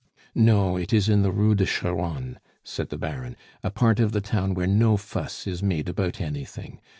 "No. It is in the Rue de Charonne," said the Baron, "a part of the town where no fuss is made about anything.